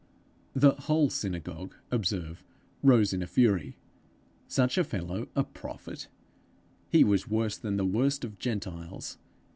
The whole synagogue, observe, rose in a fury. Such a fellow a prophet! He was worse than the worst of Gentiles!